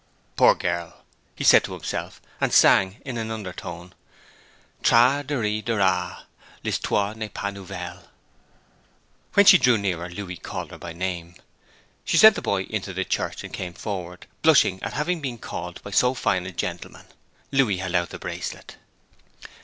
'Poor girl!' he said to himself, and sang in an undertone 'Tra deri, dera, L'histoire n'est pas nouvelle!' When she drew nearer Louis called her by name. She sent the boy into the church, and came forward, blushing at having been called by so fine a gentleman. Louis held out the bracelet.